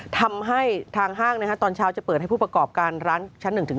ทำให้ทางห้างตอนเช้าจะเปิดให้ผู้ประกอบการร้านชั้น๑ถึง